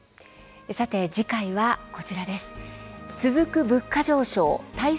さて次回は、こちらです。